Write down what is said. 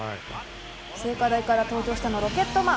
聖火台から登場したのはロケットマン！